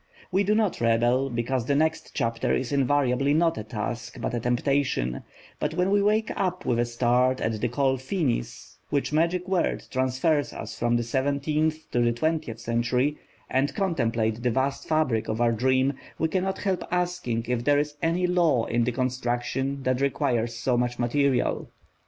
We do not rebel, because the next chapter is invariably not a task, but a temptation; but when we wake up with a start at the call Finis, which magic word transfers us from the seventeenth to the twentieth century, and contemplate the vast fabric of our dream, we cannot help asking if there is any law in the construction that requires so much material.